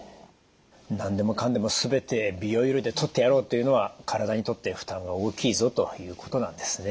何でもかんでも全て美容医療でとってやろうというのは体にとって負担が大きいぞということなんですね。